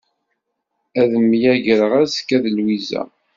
Ad myagreɣ azekka d Lwiza.